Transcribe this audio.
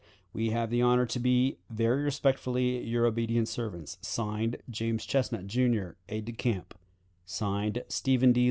"We have the honor to be, very respectfully, "Your obedient servants, (Signed) "James Chesnut, Jr, "Aide de camp. (Signed) "Stephen D.